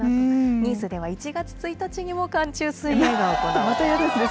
ニースでは１月１日にも寒中水泳が行われるんです。